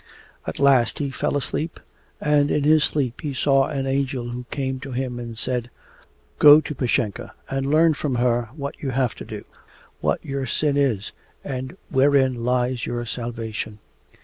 At last he fell asleep, and in his sleep he saw an angel who came to him and said: 'Go to Pashenka and learn from her what you have to do, what your sin is, and wherein lies your salvation.